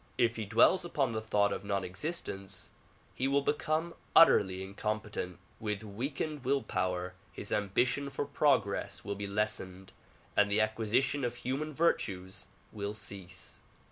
If he dwells upon the thought of non existence he will become utterly incompetent; with weakened will power his ambition for progress will be lessened and the acquisition of human virtues will cease.